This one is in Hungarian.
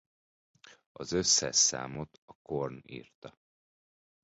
Az összes számot a Korn írta.